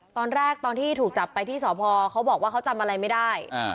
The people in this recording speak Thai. ตอนที่ถูกจับไปที่สพเขาบอกว่าเขาจำอะไรไม่ได้